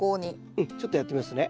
うんちょっとやってみますね。